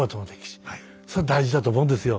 それは大事だと思うんですよ。